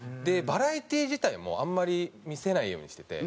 バラエティー自体もあんまり見せないようにしてて。